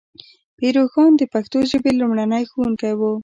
پیر روښان د پښتو ژبې لومړنی ښوونکی و.